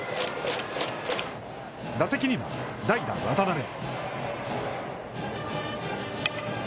打席には、代打・渡邊。